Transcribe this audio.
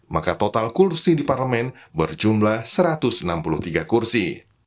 maka total kursi di parlemen berjumlah satu ratus enam puluh tiga kursi